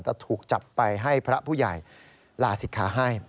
แต่ถูกจับไปให้พระผู้ใหญ่ลาศิกขาให้